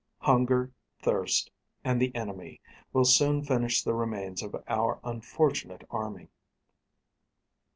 Hunger, thirst, and the enemy, will soon finish the remains of our unfortunate army.'